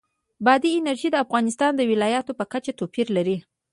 بادي انرژي د افغانستان د ولایاتو په کچه توپیر لري.